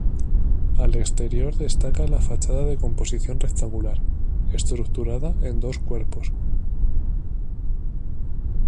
Al exterior destaca la fachada de composición rectangular, estructurada en dos cuerpos.